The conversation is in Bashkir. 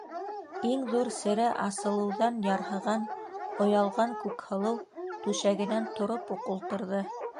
Иң ҙур сере асылыуҙан ярһыған, оялған Күкһылыу түшәгенән тороп уҡ ултырҙы: